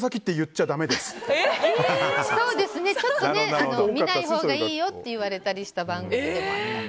ちょっとね、見ないほうがいいよって言われた